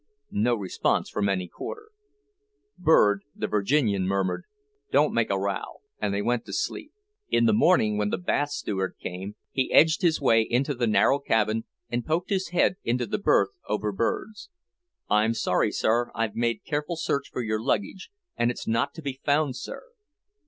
No response from any quarter. Bird, the Virginian, murmured, "Don't make a row," and they went to sleep. In the morning, when the bath steward came, he edged his way into the narrow cabin and poked his head into the berth over Bird's. "I'm sorry, sir, I've made careful search for your luggage, and it's not to be found, sir."